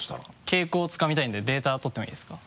傾向をつかみたいんでデータ取ってもいいですか？